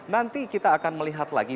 nanti kita akan melihat lagi